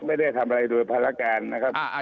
ไม่ได้ทำอะไรโดยภารการนะครับ